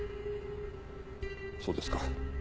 そうですか。